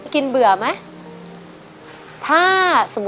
กินเบื่อไหม